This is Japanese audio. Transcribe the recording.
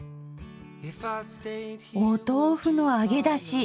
お豆腐の揚げだし！